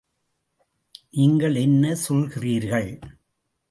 நீங்கள் என்ன சொல்கிறீர்கள்.